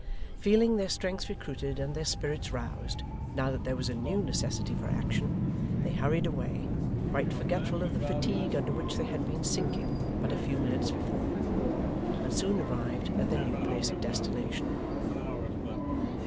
Feeling their strength recruited and their spirits roused, now that there was a new necessity for action, they hurried away, quite forgetful of the fatigue under which they had been sinking but a few minutes before; and soon arrived at their new place of destination.